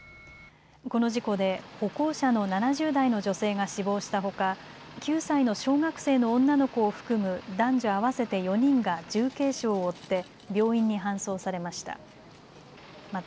この事故で歩行者の７０代の女性が死亡したほか９歳の小学生の女の子を含む男女合わせて４人が重軽傷を負って病院に搬送されました。